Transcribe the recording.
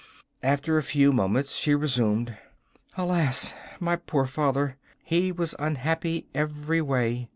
After a few moments she resumed: 'Alas, my poor father! he was unhappy every way.